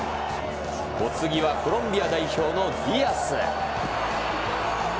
お次はコロンビア代表のディアス。